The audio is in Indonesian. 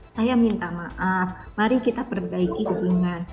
saya minta maaf mari kita perbaiki hubungan